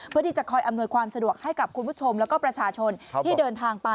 เพื่อที่จะคอยอำนวยความสะดวกให้กับคุณผู้ชมแล้วก็ประชาชนที่เดินทางไป